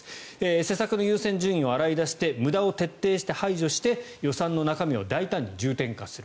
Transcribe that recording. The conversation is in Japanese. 施策の優先順位を洗い出して無駄を徹底して排除して予算の中身を大胆に重点化する。